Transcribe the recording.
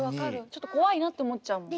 ちょっと怖いなって思っちゃうもん。